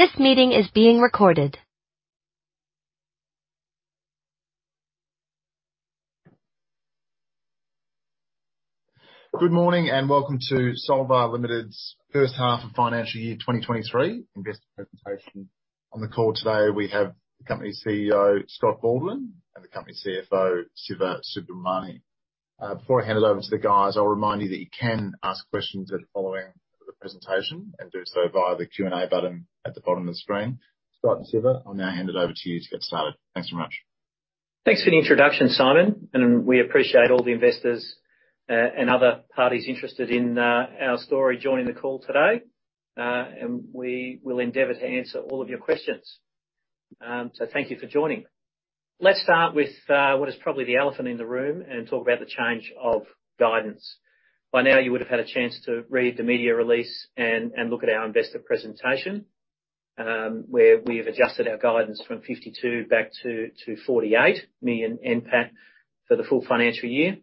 Good morning, welcome to Solvar Limited's first half of financial year 2023 investor presentation. On the call today, we have the company's CEO, Scott Baldwin, and the company's CFO, Siva Subramani. Before I hand it over to the guys, I'll remind you that you can ask questions at following the presentation, and do so via the Q&A button at the bottom of the screen. Scott and Siva, I'll now hand it over to you to get started. Thanks very much. Thanks for the introduction, Simon. We appreciate all the investors, and other parties interested in our story joining the call today. We will endeavor to answer all of your questions. Thank you for joining. Let's start with what is probably the elephant in the room and talk about the change of guidance. By now, you would have had a chance to read the media release and look at our investor presentation, where we have adjusted our guidance from 52 back to 48 million NPAT for the full financial year.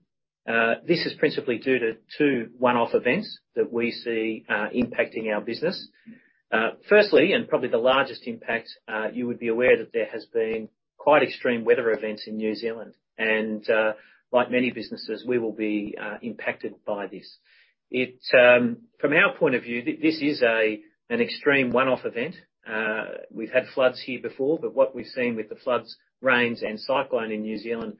This is principally due to 2 one-off events that we see impacting our business. Firstly, and probably the largest impact, you would be aware that there has been quite extreme weather events in New Zealand, and like many businesses, we will be impacted by this. From our point of view, this is an extreme one-off event. We've had floods here before, but what we've seen with the floods, rains, and cyclone in New Zealand,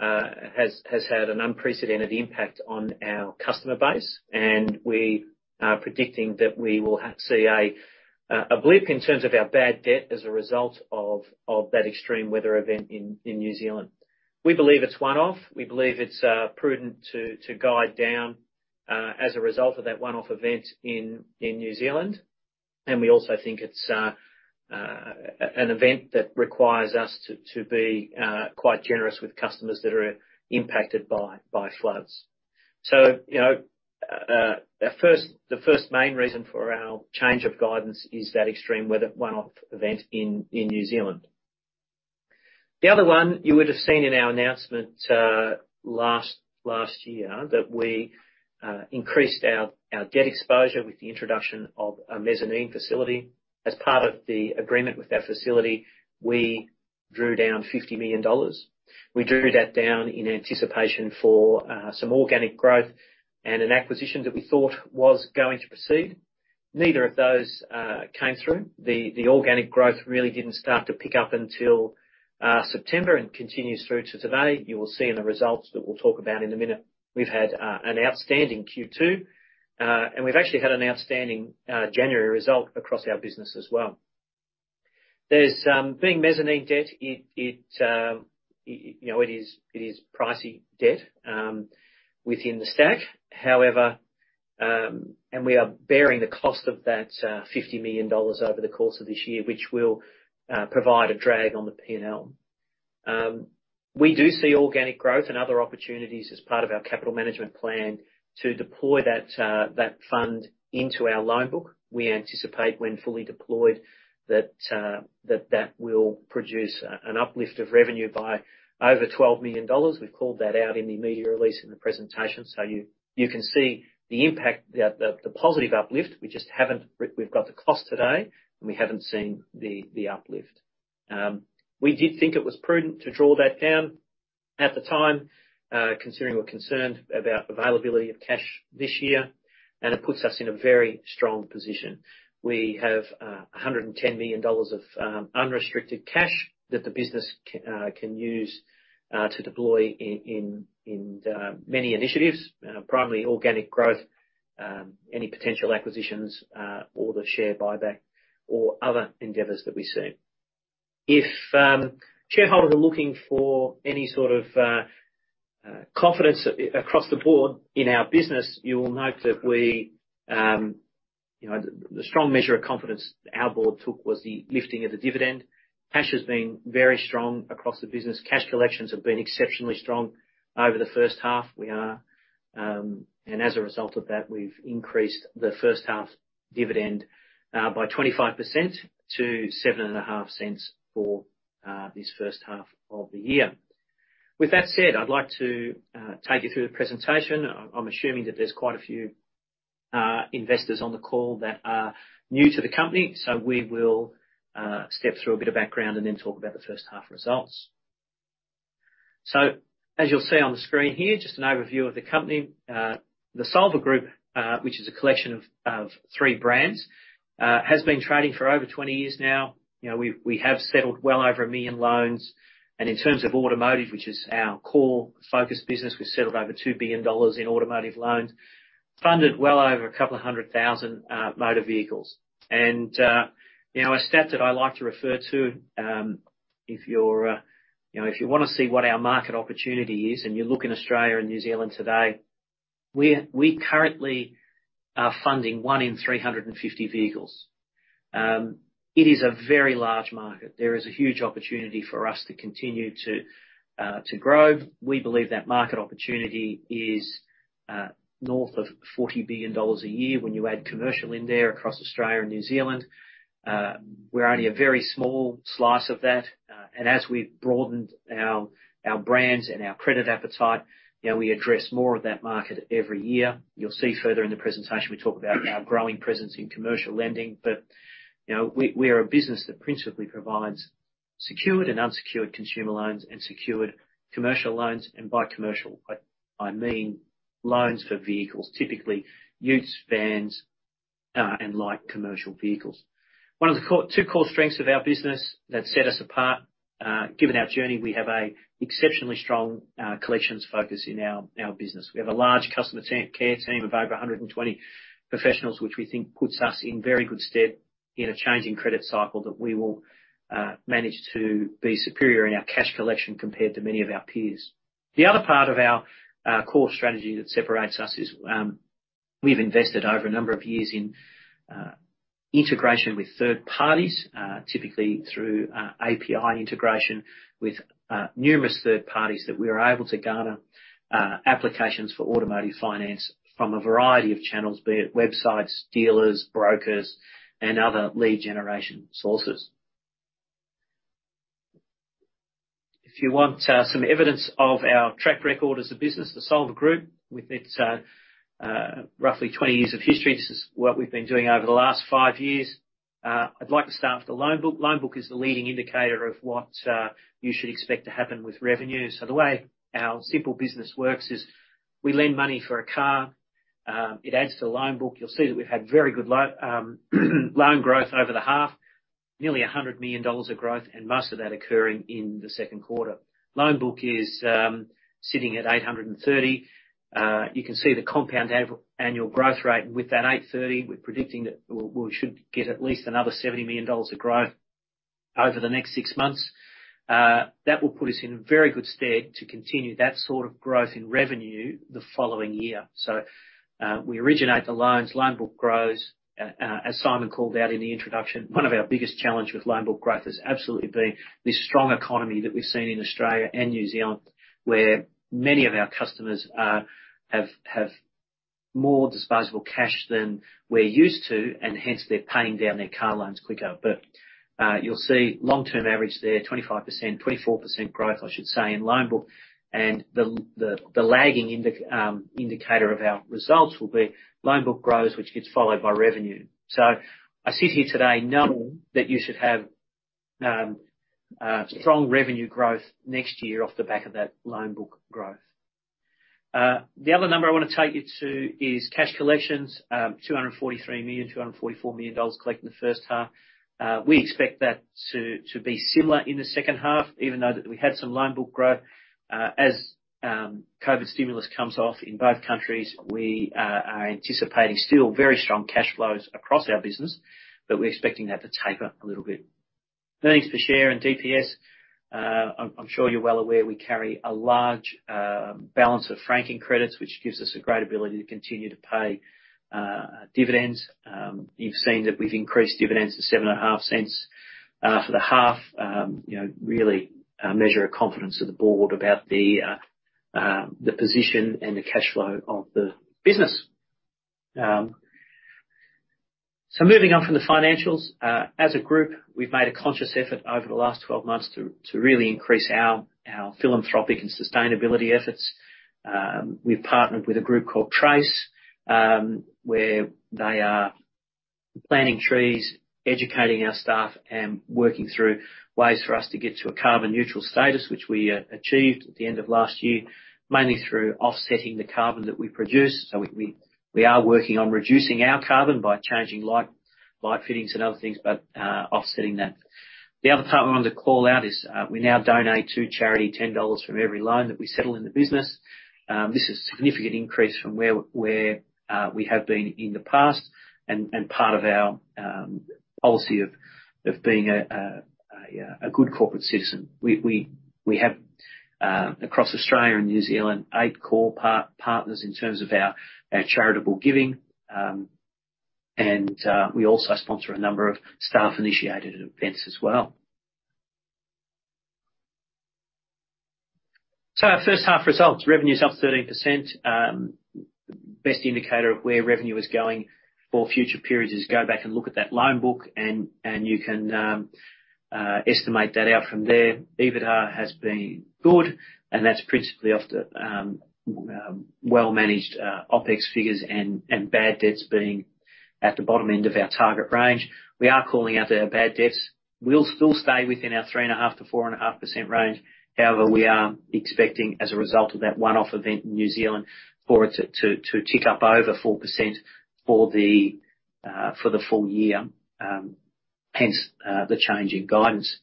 has had an unprecedented impact on our customer base, and we are predicting that we will see a blip in terms of our bad debt as a result of that extreme weather event in New Zealand. We believe it's one-off. We believe it's prudent to guide down as a result of that one-off event in New Zealand. We also think it's an event that requires us to be quite generous with customers that are impacted by floods. You know, the first main reason for our change of guidance is that extreme weather one-off event in New Zealand. The other one you would have seen in our announcement last year, that we increased our debt exposure with the introduction of a mezzanine facility. As part of the agreement with that facility, we drew down 50 million dollars. We drew that down in anticipation for some organic growth and an acquisition that we thought was going to proceed. Neither of those came through. The organic growth really didn't start to pick up until September and continues through to today. You will see in the results that we'll talk about in a minute, we've had an outstanding Q2, and we've actually had an outstanding January result across our business as well. There's being mezzanine debt, it, you know, it is pricey debt within the stack. However, we are bearing the cost of that 50 million dollars over the course of this year, which will provide a drag on the P&L. We do see organic growth and other opportunities as part of our capital management plan to deploy that fund into our loan book. We anticipate when fully deployed that that will produce an uplift of revenue by over 12 million dollars. We've called that out in the media release in the presentation. You can see the impact, the positive uplift. We just haven't we've got the cost today and we haven't seen the uplift. We did think it was prudent to draw that down at the time, considering we're concerned about availability of cash this year, and it puts us in a very strong position. We have 110 million dollars of unrestricted cash that the business can use to deploy in many initiatives, primarily organic growth, any potential acquisitions, or the share buyback or other endeavors that we see. If shareholders are looking for any sort of confidence across the board in our business, you will note that we, you know, the strong measure of confidence our board took was the lifting of the dividend. Cash has been very strong across the business. Cash collections have been exceptionally strong over the first half. As a result of that, we've increased the first half dividend by 25% to 0.075 for this first half of the year. With that said, I'd like to take you through the presentation. I'm assuming that there's quite a few investors on the call that are new to the company. We will step through a bit of background and then talk about the first half results. As you'll see on the screen here, just an overview of the company. The Solvar Group, which is a collection of three brands, has been trading for over 20 years now. You know, we have settled well over 1 million loans. In terms of automotive, which is our core focus business, we've settled over 2 billion dollars in automotive loans, funded well over 200,000 motor vehicles. A stat that I like to refer to, if you're, you know, if you wanna see what our market opportunity is and you look in Australia and New Zealand today, we currently are funding 1 in 350 vehicles. It is a very large market. There is a huge opportunity for us to continue to grow. We believe that market opportunity is north of 40 billion dollars a year when you add commercial in there across Australia and New Zealand. We're only a very small slice of that. As we've broadened our brands and our credit appetite, you know, we address more of that market every year. You'll see further in the presentation, we talk about our growing presence in commercial lending. You know, we're a business that principally provides secured and unsecured consumer loans and secured commercial loans. By commercial, I mean loans for vehicles, typically utes, vans, and light commercial vehicles. Two core strengths of our business that set us apart, given our journey, we have a exceptionally strong collections focus in our business. We have a large customer care team of over 120 professionals, which we think puts us in very good stead in a changing credit cycle that we will manage to be superior in our cash collection compared to many of our peers. The other part of our core strategy that separates us is, we've invested over a number of years in integration with third parties, typically through API integration with numerous third parties that we are able to garner applications for automotive finance from a variety of channels, be it websites, dealers, brokers, and other lead generation sources. If you want some evidence of our track record as a business, the Solvar Group, with its roughly 20 years of history, this is what we've been doing over the last 5 years. I'd like to start with the loan book. Loan book is the leading indicator of what you should expect to happen with revenue. The way our simple business works is we lend money for a car, it adds to the loan book. You'll see that we've had very good loan growth over the half, nearly 100 million dollars of growth, and most of that occurring in the second quarter. Loan book is sitting at 830 million. You can see the compound annual growth rate. With that 830 million, we're predicting that we should get at least another 70 million dollars of growth over the next six months. That will put us in very good stead to continue that sort of growth in revenue the following year. We originate the loans, loan book grows. As Simon called out in the introduction, one of our biggest challenge with loan book growth has absolutely been this strong economy that we've seen in Australia and New Zealand, where many of our customers have more disposable cash than we're used to, hence they're paying down their car loans quicker. You'll see long-term average there, 24% growth, I should say, in loan book. The lagging indicator of our results will be loan book grows, which gets followed by revenue. I sit here today knowing that you should have strong revenue growth next year off the back of that loan book growth. The other number I wanna take you to is cash collections. 243 million-244 million dollars collected in the first half. We expect that to be similar in the second half, even though that we had some loan book growth. As COVID stimulus comes off in both countries, we are anticipating still very strong cash flows across our business, but we're expecting that to taper a little bit. Earnings per share and DPS, I'm sure you're well aware, we carry a large balance of franking credits, which gives us a great ability to continue to pay dividends. You've seen that we've increased dividends to 0.075 for the half, you know, really a measure of confidence of the board about the position and the cash flow of the business. Moving on from the financials. As a group, we've made a conscious effort over the last 12 months to really increase our philanthropic and sustainability efforts. We've partnered with a group called Trace, where they are planting trees, educating our staff, and working through ways for us to get to a carbon neutral status, which we achieved at the end of last year, mainly through offsetting the carbon that we produce. We are working on reducing our carbon by changing light fittings and other things, but offsetting that. The other part I wanted to call out is, we now donate to charity $10 from every loan that we settle in the business. This is a significant increase from where we have been in the past and part of our policy of being a good corporate citizen. We have across Australia and New Zealand, eight core part-partners in terms of our charitable giving. We also sponsor a number of staff-initiated events as well. Our first half results. Revenue's up 13%. Best indicator of where revenue is going for future periods is go back and look at that loan book and you can estimate that out from there. EBITDA has been good, and that's principally off the well-managed OpEx figures and bad debts being at the bottom end of our target range. We are calling out our bad debts. We'll still stay within our 3.5%-4.5% range. However, we are expecting as a result of that one-off event in New Zealand for it to tick up over 4% for the full year. The change in guidance.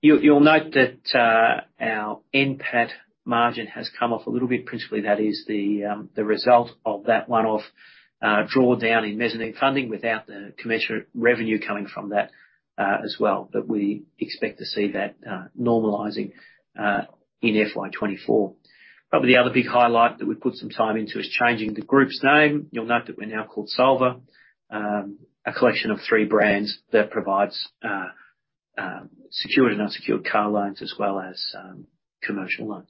You'll note that our NPAT margin has come off a little bit. Principally, that is the result of that one-off drawdown in mezzanine funding without the commensurate revenue coming from that as well. We expect to see that normalizing in FY24. Probably the other big highlight that we've put some time into is changing the group's name. You'll note that we're now called Solvar, a collection of three brands that provides secured and unsecured car loans as well as commercial loans.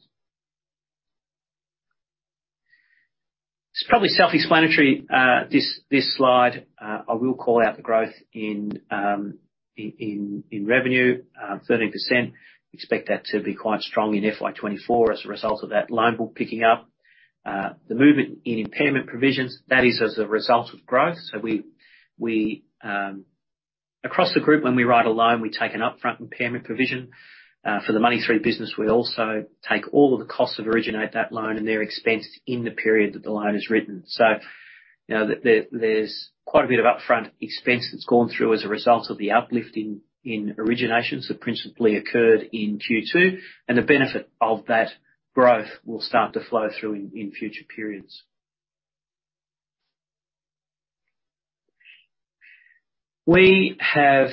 It's probably self-explanatory, this slide. I will call out the growth in revenue, 13%. Expect that to be quite strong in FY24 as a result of that loan book picking up. The movement in impairment provisions, that is as a result of growth. We, across the group, when we write a loan, we take an upfront impairment provision. For the Money3 business, we also take all of the costs that originate that loan, and they're expensed in the period that the loan is written. You know, there's quite a bit of upfront expense that's gone through as a result of the uplift in originations that principally occurred in Q2. The benefit of that growth will start to flow through in future periods. We have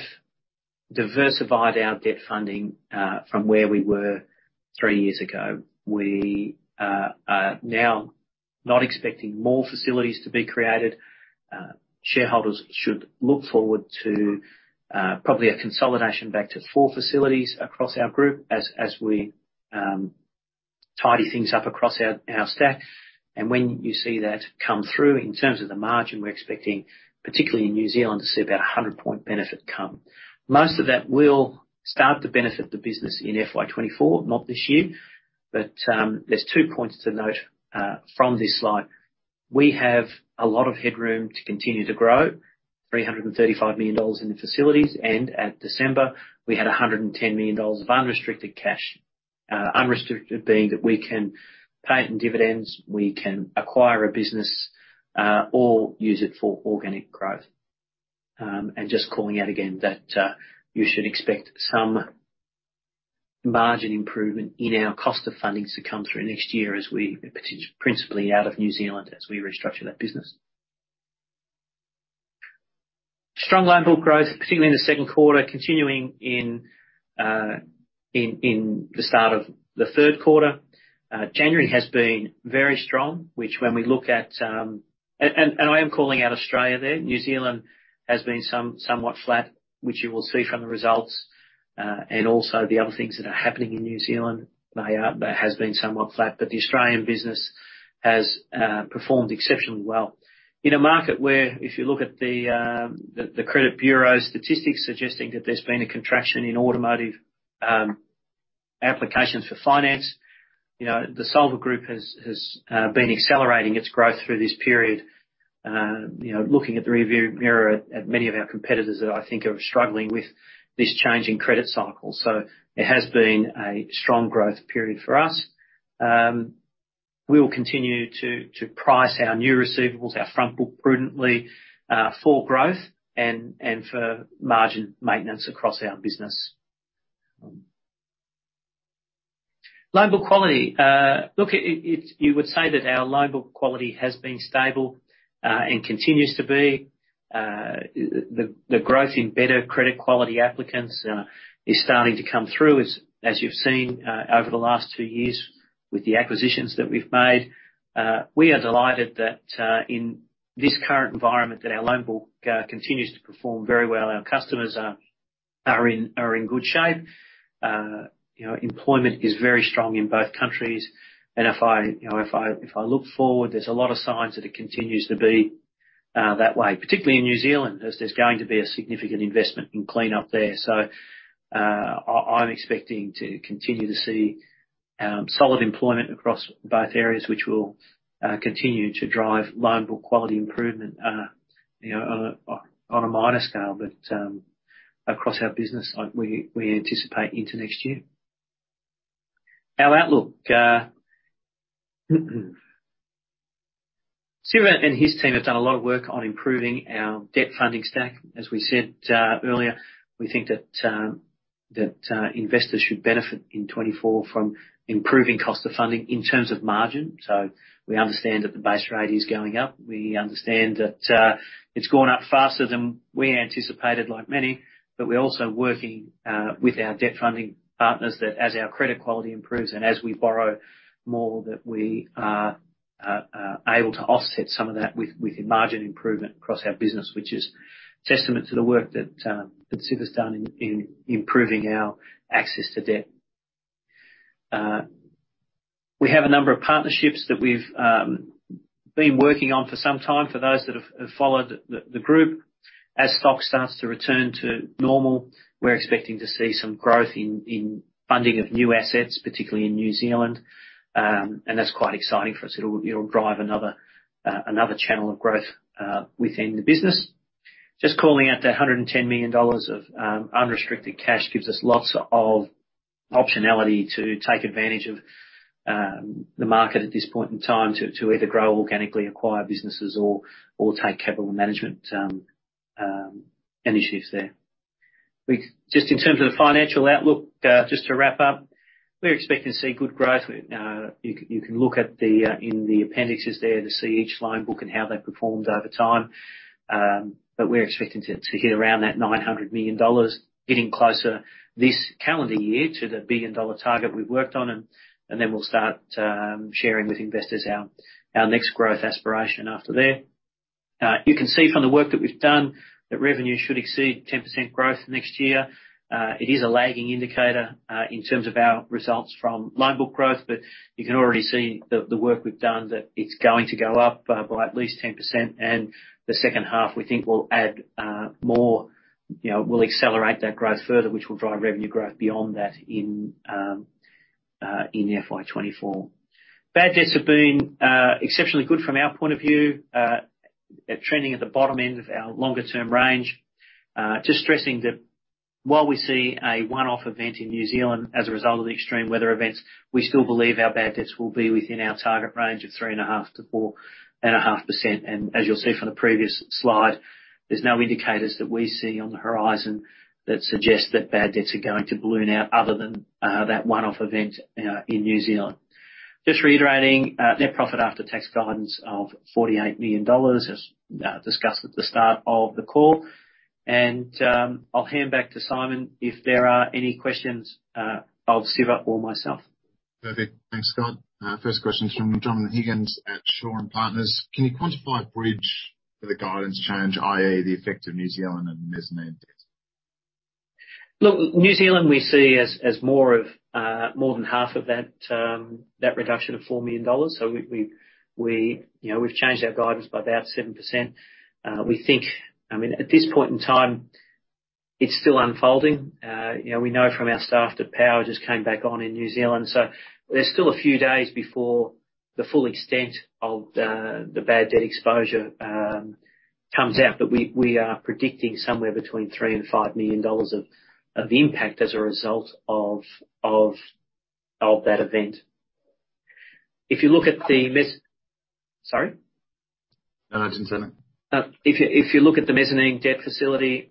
diversified our debt funding from where we were three years ago. We are now not expecting more facilities to be created. Shareholders should look forward to probably a consolidation back to four facilities across our group as we tidy things up across our stack. When you see that come through, in terms of the margin, we're expecting, particularly in New Zealand, to see about a 100 point benefit come. Most of that will start to benefit the business in FY24, not this year. There's two points to note from this slide. We have a lot of headroom to continue to grow, $335 million in the facilities, and at December, we had $110 million of unrestricted cash. Unrestricted being that we can pay it in dividends, we can acquire a business, or use it for organic growth. Just calling out again that you should expect some margin improvement in our cost of fundings to come through next year as we principally out of New Zealand as we restructure that business. Strong loan book growth, particularly in the second quarter, continuing in the start of the third quarter. January has been very strong, which when we look at... I am calling out Australia there. New Zealand has been somewhat flat, which you will see from the results, and also the other things that are happening in New Zealand. That has been somewhat flat. The Australian business has performed exceptionally well. In a market where if you look at the credit bureau statistics suggesting that there's been a contraction in automotive applications for finance, you know, the Solvar Group has been accelerating its growth through this period. You know, looking at the rear view mirror at many of our competitors that I think are struggling with this change in credit cycle. It has been a strong growth period for us. We will continue to price our new receivables, our front book prudently, for growth and for margin maintenance across our business. Loan book quality. Look, it, you would say that our loan book quality has been stable and continues to be. The growth in better credit quality applicants is starting to come through as you've seen over the last two years with the acquisitions that we've made. We are delighted that in this current environment, that our loan book continues to perform very well. Our customers are in good shape. You know, employment is very strong in both countries. If I, you know, if I look forward, there's a lot of signs that it continues to be that way, particularly in New Zealand, as there's going to be a significant investment in clean up there. I'm expecting to continue to see solid employment across both areas, which will continue to drive loan book quality improvement, you know, on a, on a minor scale, but across our business, we anticipate into next year. Our outlook, Siva and his team have done a lot of work on improving our debt funding stack. As we said earlier, we think that investors should benefit in 2024 from improving cost of funding in terms of margin. We understand that the base rate is going up. We understand that it's gone up faster than we anticipated, like many, but we're also working with our debt funding partners that as our credit quality improves and as we borrow more, that we are able to offset some of that with the margin improvement across our business, which is testament to the work that Siva's done in improving our access to debt. We have a number of partnerships that we've been working on for some time, for those that have followed the group. As stock starts to return to normal, we're expecting to see some growth in funding of new assets, particularly in New Zealand. That's quite exciting for us. It'll drive another channel of growth within the business. Just calling out that $110 million of unrestricted cash gives us lots of optionality to take advantage of the market at this point in time to either grow organically, acquire businesses or take capital management initiatives there. Just in terms of the financial outlook, just to wrap up, we're expecting to see good growth. You can look at the in the appendixes there to see each loan book and how they've performed over time. We're expecting to hit around that $900 million, getting closer this calendar year to the billion-dollar target we've worked on. We'll start sharing with investors our next growth aspiration after there. You can see from the work that we've done, that revenue should exceed 10% growth next year. It is a lagging indicator in terms of our results from loan book growth, but you can already see the work we've done that it's going to go up by at least 10%. The second half, we think, will add You know, will accelerate that growth further, which will drive revenue growth beyond that in FY24. Bad debts have been exceptionally good from our point of view. They're trending at the bottom end of our longer term range. Just stressing that while we see a one-off event in New Zealand as a result of the extreme weather events, we still believe our bad debts will be within our target range of 3.5%-4.5%. As you'll see from the previous slide, there's no indicators that we see on the horizon that suggest that bad debts are going to balloon out other than that one-off event in New Zealand. Just reiterating NPAT guidance of $48 million, as discussed at the start of the call. I'll hand back to Simon. If there are any questions, I'll Siva myself. Perfect. Thanks, Scott. First question is from Jonathan Higgins at Shaw and Partners. Can you quantify a bridge for the guidance change, i.e., the effect of New Zealand and mezzanine debts? Look, New Zealand, we see as more of more than half of that reduction of 4 million dollars. We, you know, we've changed our guidance by about 7%. We think, I mean, at this point in time, it's still unfolding. You know, we know from our staff that power just came back on in New Zealand, there's still a few days before the full extent of the bad debt exposure comes out. We are predicting somewhere between 3 million-5 million dollars of impact as a result of that event. If you look at the Sorry? No, I didn't say anything. If you look at the mezzanine debt facility,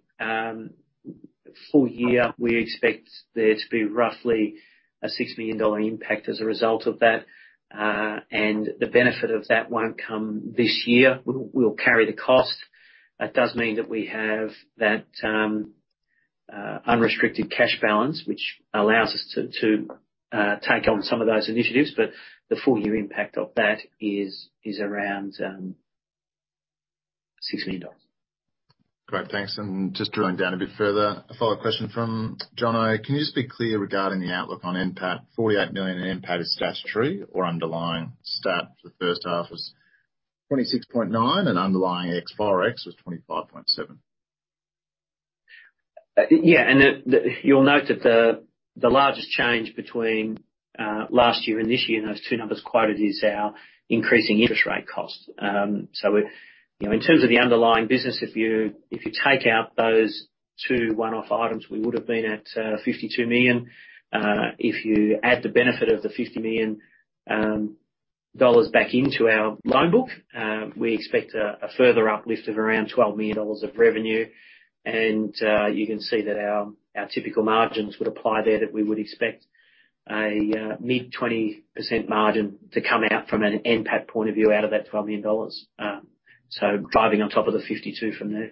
full year, we expect there to be roughly a $6 million impact as a result of that. The benefit of that won't come this year. We'll carry the cost. That does mean that we have that unrestricted cash balance, which allows us to take on some of those initiatives, the full year impact of that is around $6 million. Great. Thanks. Just drilling down a bit further, a follow-up question from Jono. Can you just be clear regarding the outlook on NPAT? 48 million in NPAT is statutory or underlying stat. The first half was 26.9 and underlying ex ForEx was 25.7. You'll note that the largest change between last year and this year in those two numbers quoted is our increasing interest rate cost. You know, in terms of the underlying business, if you take out those two one-off items, we would have been at 52 million. If you add the benefit of the 50 million dollars back into our loan book, we expect a further uplift of around 12 million dollars of revenue. You can see that our typical margins would apply there, that we would expect a mid 20% margin to come out from an NPAT point of view out of that 12 million dollars. Driving on top of the 52 from there.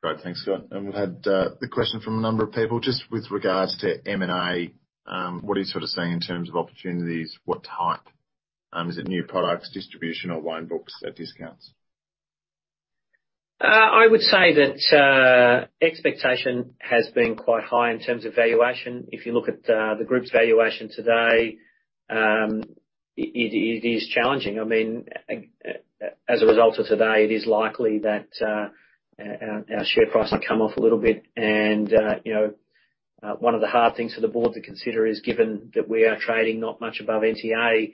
Great. Thanks, Scott. We've had the question from a number of people just with regards to M&A. What are you sort of seeing in terms of opportunities? What type? Is it new products, distribution or loan books at discounts? I would say that expectation has been quite high in terms of valuation. If you look at the group's valuation today, it is challenging. I mean, as a result of today, it is likely that our share price will come off a little bit. You know, one of the hard things for the board to consider is, given that we are trading not much above NTA,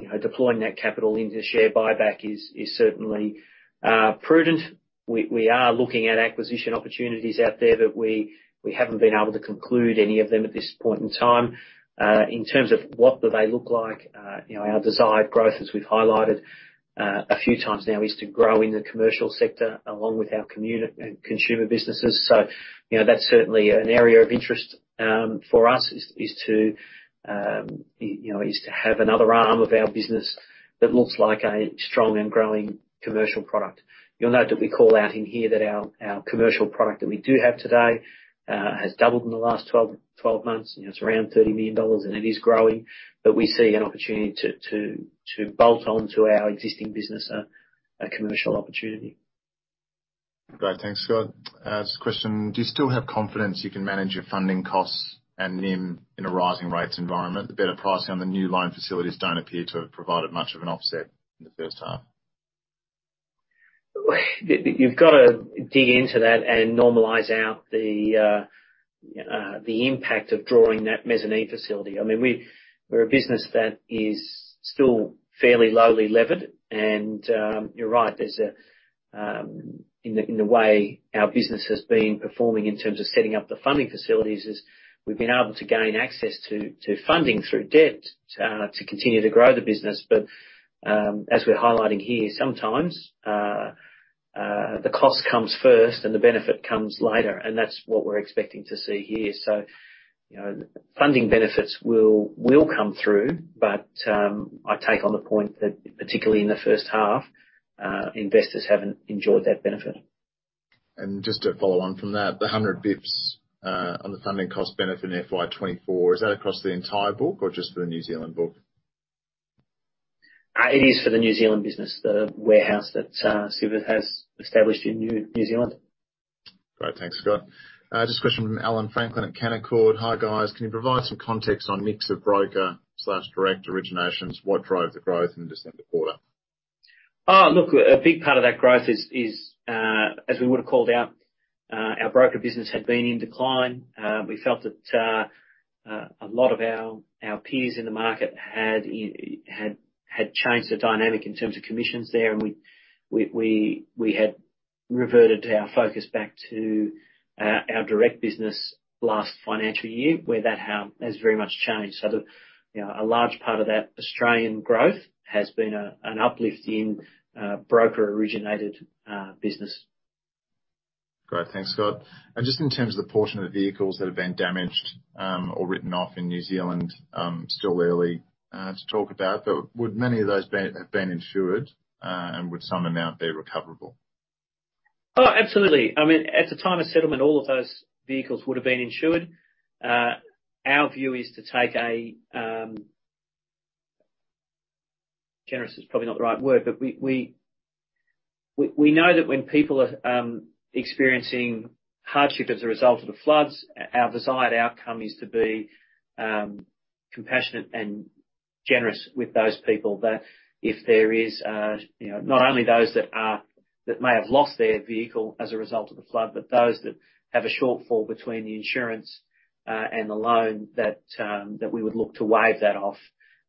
you know, deploying that capital into share buyback is certainly prudent. We are looking at acquisition opportunities out there that we haven't been able to conclude any of them at this point in time. In terms of what do they look like, you know, our desired growth, as we've highlighted a few times now, is to grow in the commercial sector along with our consumer businesses. You know, that's certainly an area of interest for us, is to, you know, is to have another arm of our business that looks like a strong and growing commercial product. You'll note that we call out in here that our commercial product that we do have today has doubled in the last 12 months. You know, it's around 30 million dollars and it is growing. We see an opportunity to bolt on to our existing business a commercial opportunity. Great. Thanks, Scott. This question, do you still have confidence you can manage your funding costs and NIM in a rising rates environment? The better pricing on the new loan facilities don't appear to have provided much of an offset in the first half. You've got to dig into that and normalize out the impact of drawing that mezzanine facility. I mean, we're a business that is still fairly lowly levered. You're right, there's a in the way our business has been performing in terms of setting up the funding facilities, is we've been able to gain access to funding through debt to continue to grow the business. As we're highlighting here, sometimes the cost comes first and the benefit comes later, and that's what we're expecting to see here. You know, funding benefits will come through. I take on the point that particularly in the first half, investors haven't enjoyed that benefit. Just to follow on from that, the 100 bips on the funding cost benefit in FY24, is that across the entire book or just for the New Zealand book? It is for the New Zealand business. The warehouse that Solvar has established in New Zealand. Great. Thanks, Scott. Just a question from Alan Franklin at Canaccord. Hi, guys. Can you provide some context on mix of broker/direct originations? What drove the growth in December quarter? Look, a big part of that growth is, as we would have called out, our broker business had been in decline. We felt that a lot of our peers in the market had changed the dynamic in terms of commissions there. We had reverted our focus back to our direct business last financial year, where that has very much changed. The, you know, a large part of that Australian growth has been an uplift in broker-originated business. Great. Thanks, Scott. Just in terms of the portion of the vehicles that have been damaged, or written off in New Zealand, still early to talk about, but would many of those have been insured, and would some amount be recoverable? Oh, absolutely. I mean, at the time of settlement, all of those vehicles would have been insured. Our view is to take a generous is probably not the right word, but we know that when people are experiencing hardship as a result of the floods, our desired outcome is to be compassionate and generous with those people. If there is, you know, not only those that may have lost their vehicle as a result of the flood, but those that have a shortfall between the insurance and the loan that we would look to waive that off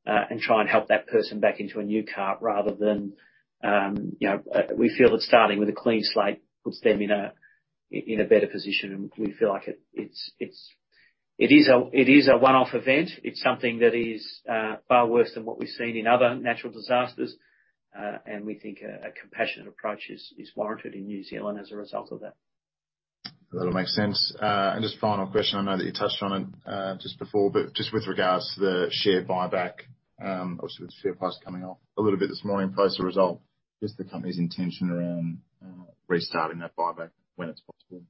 and try and help that person back into a new car rather than, you know... We feel that starting with a clean slate puts them in a better position, and we feel like it is a one-off event. It's something that is far worse than what we've seen in other natural disasters. We think a compassionate approach is warranted in New Zealand as a result of that. That'll make sense. Just final question, I know that you touched on it, just before, but just with regards to the share buyback, obviously with the share price coming off a little bit this morning post the result, just the company's intention around, restarting that buyback when it's possible.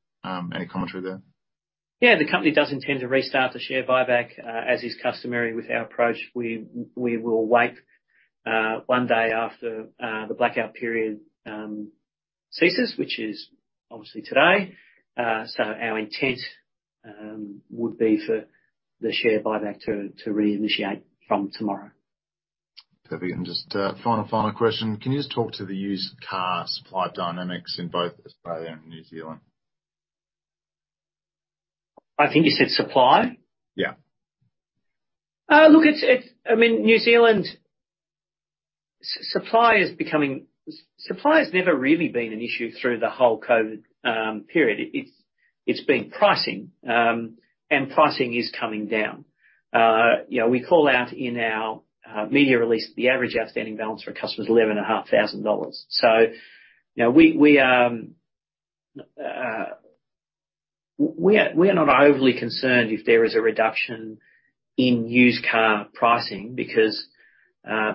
Any commentary there? The company does intend to restart the share buyback. As is customary with our approach, we will wait one day after the blackout period ceases, which is obviously today. Our intent would be for the share buyback to reinitiate from tomorrow. Perfect. Just final question. Can you just talk to the used car supply dynamics in both Australia and New Zealand? I think you said supply. Yeah. Look, I mean, New Zealand, supply has never really been an issue through the whole COVID period. It's been pricing is coming down. You know, we call out in our media release the average outstanding balance for a customer is eleven and a half thousand dollars. You know, we are not overly concerned if there is a reduction in used car pricing because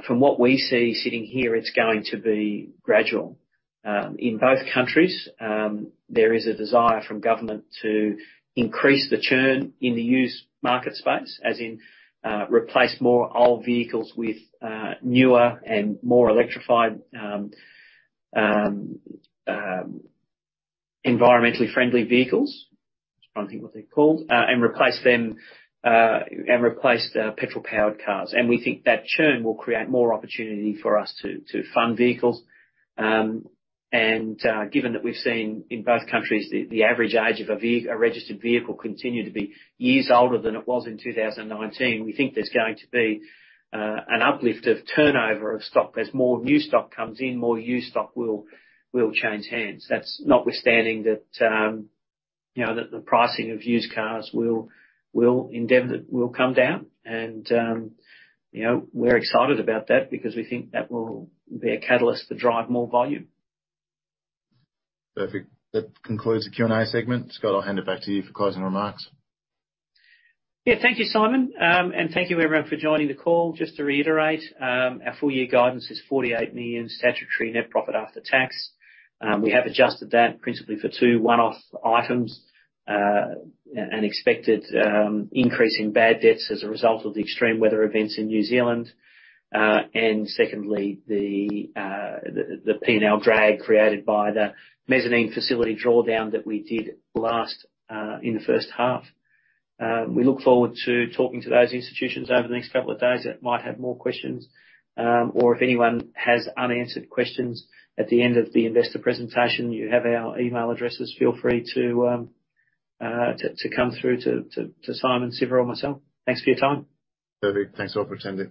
from what we see sitting here, it's going to be gradual. In both countries, there is a desire from government to increase the churn in the used market space, as in, replace more old vehicles with newer and more electrified, environmentally friendly vehicles. Trying to think what they're called. Replace them, replace the petrol-powered cars. We think that churn will create more opportunity for us to fund vehicles. Given that we've seen in both countries the average age of a registered vehicle continue to be years older than it was in 2019, we think there's going to be an uplift of turnover of stock. As more new stock comes in, more used stock will change hands. That's notwithstanding that, you know, that the pricing of used cars will come down and, you know, we're excited about that because we think that will be a catalyst to drive more volume. Perfect. That concludes the Q&A segment. Scott, I'll hand it back to you for closing remarks. Thank you, Simon. Thank you everyone for joining the call. Just to reiterate, our full year guidance is 48 million statutory net profit after tax. We have adjusted that principally for two one-off items, an expected increase in bad debts as a result of the extreme weather events in New Zealand. Secondly, the P&L drag created by the mezzanine facility drawdown that we did last in the first half. We look forward to talking to those institutions over the next couple of days that might have more questions. If anyone has unanswered questions at the end of the investor presentation, you have our email addresses. Feel free to come through to Simon, Siva, or myself. Thanks for your time. Perfect. Thanks all for attending.